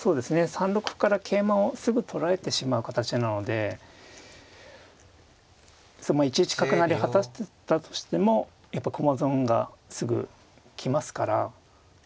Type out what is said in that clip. ３六歩から桂馬をすぐ取られてしまう形なので１一角成果たせたとしてもやっぱ駒損がすぐ来ますから。